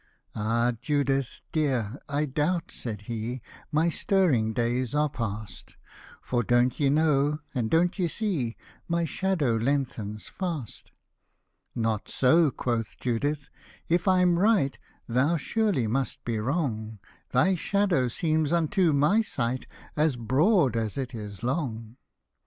" Ah ! Judith, dear, I doubt," said he, " My stirring days are past : For don't ye know, and don't ye see, My shadow lengthens fast." 101 <f Not so," quoth Judith, " if I'm right, Thou surely must be wrong ; Thy shadow seems unto my sight As broad as it is long."